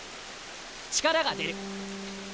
力が出る。